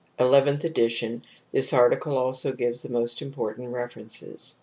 Eleventh Edition ; this article also gives the most important references.